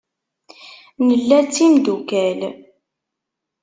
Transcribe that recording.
Nella d timdukal.